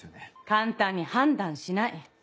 簡単に判断しない。